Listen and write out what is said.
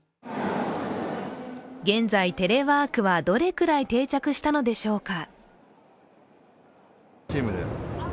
現在テレワークは、どれくらい定着したのでしょうか。